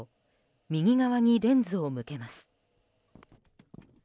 右側にレンズを向けます。